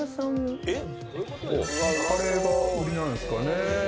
カレーが売りなんですかね。